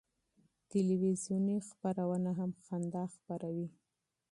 تلویزیوني خپرونه هم خندا خپروي.